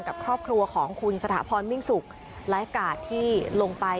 กับครอบครัวของคุณสถาพรมิ่งสุกไลฟ์การ์ดที่ลงไป